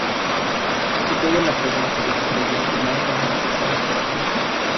Situado en la provincia de Castellón, comarca del Alto Palancia.